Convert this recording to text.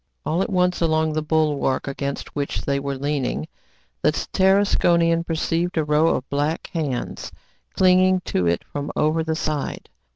All at once, along the bulwark against which they were leaning, the Tarasconian perceived a row of large black hands clinging to it from over the side.